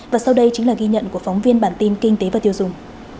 và sau đây chính là ghi nhận của phóng viên bản tin kinh tế và tiêu dùng